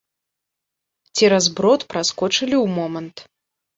Цераз брод праскочылі ў момант.